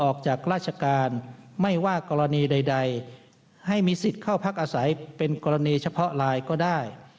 ออกจากราชการไม่ว่ากรณีใดให้มีสิทธิ์เข้าพักอาศัยเป็นกรณีเฉพาะไลน์ก็ได้